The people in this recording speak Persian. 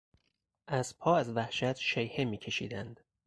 اسبها از وحشت شیهه میکشیدند.